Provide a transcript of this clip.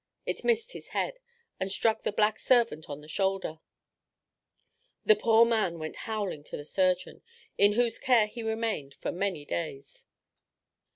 It missed his head, and struck the black servant on the shoulder; the poor man went howling to the surgeon, in whose care he remained for many days.